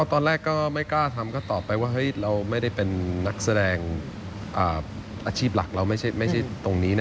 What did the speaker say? ตอนแรกก็ไม่กล้าทำก็ตอบไปว่าเราไม่ได้เป็นนักแสดงอาชีพหลักเราไม่ใช่ตรงนี้นะ